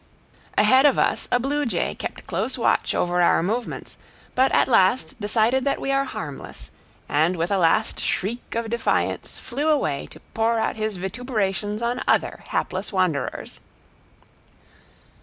Ahead of us a blue jay kept close watch over our movements, but at last decided that we are harmless, and with a last shriek of defiance flew away to pour out his vituperations on other hapless wanderers.